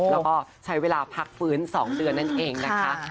แล้วก็ใช้เวลาพักฟื้น๒เดือนนั่นเองนะคะ